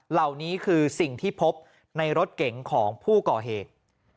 เหล่านี้คือสิ่งที่พบในรถเก๋งของผู้ก่อเหตุ